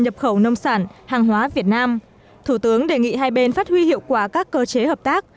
nhập khẩu nông sản hàng hóa việt nam thủ tướng đề nghị hai bên phát huy hiệu quả các cơ chế hợp tác